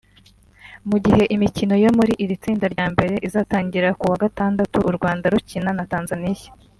Mu gihe imikino yo muri iri tsinda rya mbere izatangira ku wa gatandatu u Rwanda rukina na Tanzania